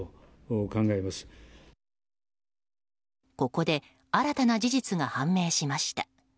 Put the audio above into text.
ここで新たな事実が判明しました。